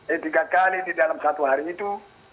eh tiga kali di dalam satu hari itu